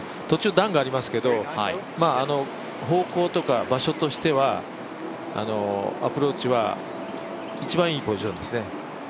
途中段がありますけれども、方向とか場所としては、アプローチは一番いいポジションですね。